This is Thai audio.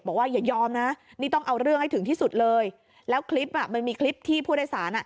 อย่ายอมนะนี่ต้องเอาเรื่องให้ถึงที่สุดเลยแล้วคลิปอ่ะมันมีคลิปที่ผู้โดยสารอ่ะ